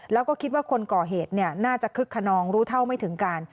แล้วก็คิดว่าคนก่อเหตุน่าจะคึกขนองรู้เท่าไม่ถึงการ